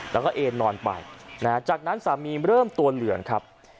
แล้วก็เอ็นนอนไปนะฮะจากนั้นสามีเริ่มตัวเหลืองครับ